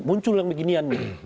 muncul yang beginian nih